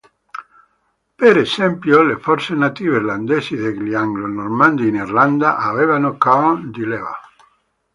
Per esempio le forze native irlandesi degli anglo-normanni in Irlanda avevano Kern di leva.